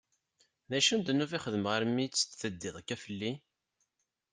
D acu n ddnub i xedmeɣ armi i tt-teddiḍ akka fell-i?